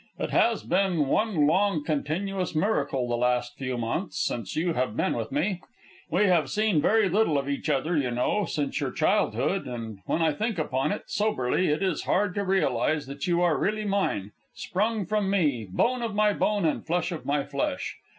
"It has been one long continuous miracle, the last few months, since you have been with me. We have seen very little of each other, you know, since your childhood, and when I think upon it soberly it is hard to realize that you are really mine, sprung from me, bone of my bone and flesh of my flesh.